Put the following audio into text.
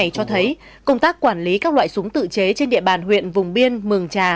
công tác quản lý các loại súng tự chế trên địa bàn huyện vùng biên mường trà